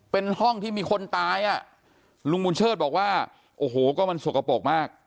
เป็นห้องที่มีคนตายอ่ะลุงบุญเชิดบอกว่าโอ้โหก็มันสกปรกมาก